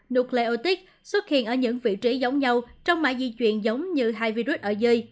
nucleotide xuất hiện ở những vị trí giống nhau trong mạng di truyền giống như hai virus ở dưới